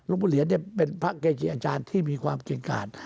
บุเหรียญเป็นพระเกจิอาจารย์ที่มีความเก่งกาด